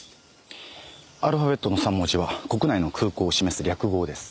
アルファベットの３文字は国内の空港を示す略号です。